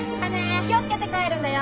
気を付けて帰るんだよ。